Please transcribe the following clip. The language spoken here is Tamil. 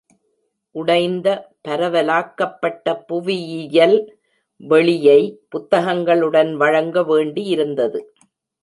உடைந்த பரவலாக்கப்பட்ட புவியியல் வெளியை புத்தகங்களுடன் வழங்க வேண்டியிருந்தது.